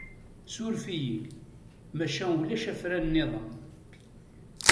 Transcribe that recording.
Ssuref-iyi, maca ulac afran niḍen.